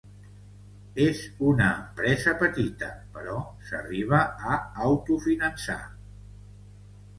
És una empresa petita, però s'arriba a autofinançar.